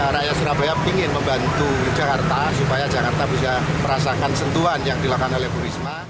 rakyat surabaya ingin membantu jakarta supaya jakarta bisa merasakan sentuhan yang dilakukan oleh bu risma